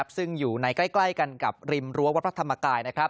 ซึ่งอยู่ในใกล้กันกับริมรั้ววัดพระธรรมกาย